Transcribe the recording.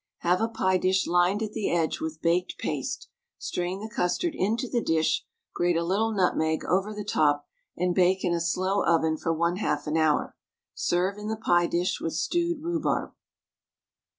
Have a pie dish lined at the edge with baked paste, strain the custard into the dish, grate a little nutmeg over the top, and bake in a slow oven for 1/2 an hour. Serve in the pie dish with stewed rhubarb.